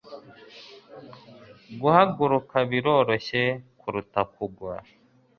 guhaguruka biroroshye kuruta kugwa